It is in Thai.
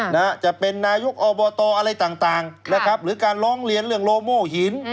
นายกอบตอะไรต่างหรือการร้องเรียนเรื่องโลโมหิน